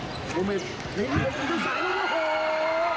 โอ้เมดนี่ก็ยังจะสั่งแล้วนะครับ